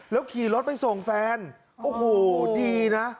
ขี่รถไปส่งแฟนโอ้โหดีนะ